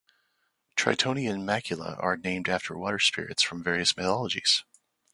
Tritonian maculae are named after water spirits from various mythologies.